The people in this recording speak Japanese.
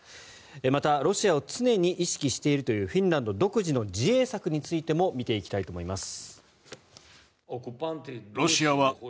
またロシアを常に意識しているフィンランド独自の自衛策についても見ていきたいと思います。